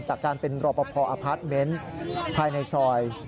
จากการเป็นรอปภอพาร์ทเมนต์ภายในซอย